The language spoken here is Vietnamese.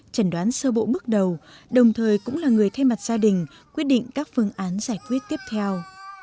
chẩn đoán sơ bộ bước đầu đồng thời cũng là người thay mặt gia đình quyết định các phương án giải quyết tiếp theo